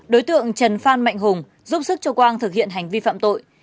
đối tượng trần phan mạnh hùng giúp sức cho quang thực hiện hành vi phạm tội